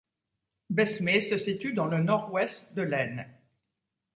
Besmé se situe dans le nord-ouest de l'Aisne.